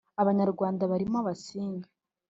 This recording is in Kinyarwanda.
- abanyarwanda barimo abasinga